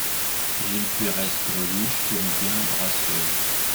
Gil-Pérès GRELUCHE, comédien Brasseur.